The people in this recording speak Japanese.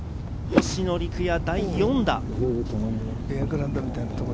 星野陸也、第４打。